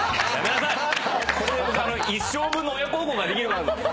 これで一生分の親孝行ができるかなと。